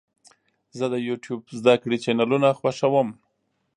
زه د یوټیوب زده کړې چینلونه خوښوم.